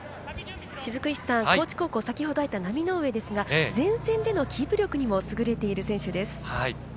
高知高校、先ほど入った浪上ですが、前線でのキープ力にも優れている選手です。